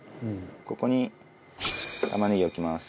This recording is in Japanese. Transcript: ここに玉ねぎを置きます。